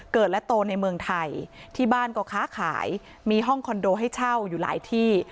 โตในเมืองไทยที่บ้านก็ค้าขายมีห้องคอนโดให้เช่าอยู่หลายที่